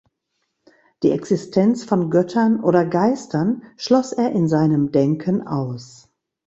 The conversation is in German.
Die Existenz von Göttern oder Geistern schloss er in seinem Denken aus.